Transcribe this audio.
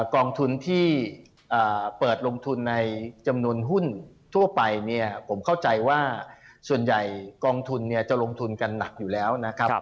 กองทุนที่เปิดลงทุนในจำนวนหุ้นทั่วไปเนี่ยผมเข้าใจว่าส่วนใหญ่กองทุนเนี่ยจะลงทุนกันหนักอยู่แล้วนะครับ